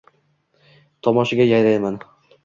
Tomoshaga yarayman.